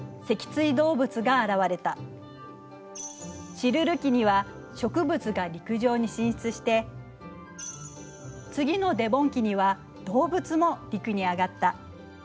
シルル紀には植物が陸上に進出して次のデボン紀には動物も陸に上がった。